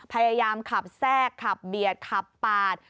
พยายามขับแทรกขับเบียดขับปาด